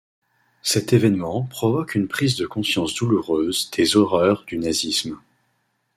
Cet événement provoque une prise de conscience douloureuse des horreurs du nazisme.